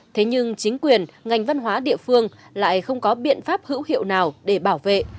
thế nhưng chính quyền ngành văn hóa địa phương lại không có biện pháp hữu hiệu nào để bảo vệ